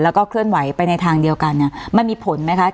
แล้วก็เคลื่อนไหวไปในทางเดียวกันเนี่ยมันมีผลไหมคะ